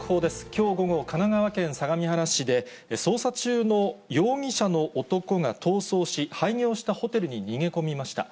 きょう午後、神奈川県相模原市で、捜査中の容疑者の男が逃走し、廃業したホテルに逃げ込みました。